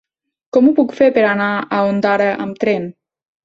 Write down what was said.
Com ho puc fer per anar a Ondara amb tren?